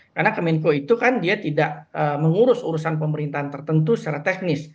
karena kemenko itu kan dia tidak mengurus urusan pemerintahan tertentu secara teknis